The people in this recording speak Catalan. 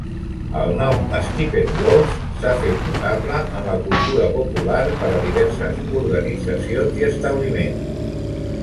El nom "Steppenwolf" s'ha fet notable en la cultura popular per a diverses organitzacions i establiments.